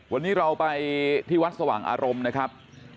วันนี้เราไปที่วัดสว่างอารมณ์นะครับ